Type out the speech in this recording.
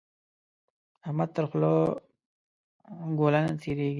د احمد تر خوله ګوله نه تېرېږي.